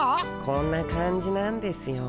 こんな感じなんですよ。